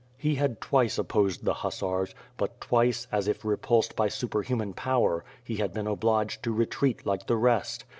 He had twice opposed the hussars, but twice, as if repulsed by superhuman power, he had been obliged to retreat like the rest.